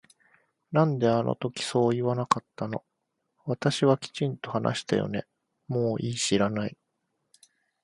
なんであの時そう言わなかったの私はきちんと話したよねもういい知らない